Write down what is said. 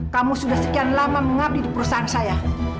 kamu sudah sekian lama mengabdi di perusahaan saya